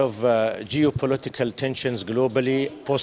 yang telah mengimpakkan harga makanan